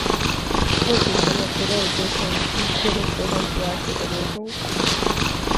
因为紧张的肌肉就像淤塞的水管阻碍水的流通。